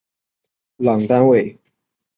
朗丹韦。